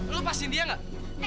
eh lu pasin dia gak